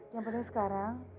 yang penting sekarang